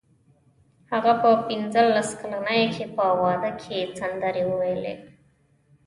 هغه په پنځلس کلنۍ کې په واده کې سندرې وویلې